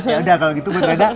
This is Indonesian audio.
yaudah kalau gitu gue tereda